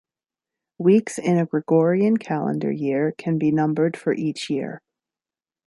Weeks in a Gregorian calendar year can be numbered for each year.